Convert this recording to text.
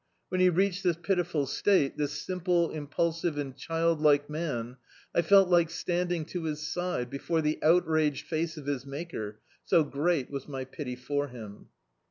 When he reached this pitiful state, this simple, im pulsive and childlike man, I felt like standing to his side, before the outraged face of his Maker, so great was my pity for him.